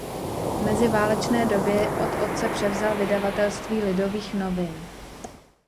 V meziválečné době od otce převzal vydavatelství Lidových novin.